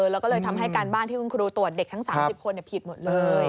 แล้วก็เลยทำให้การบ้านที่คุณครูตรวจเด็กทั้ง๓๐คนผิดหมดเลย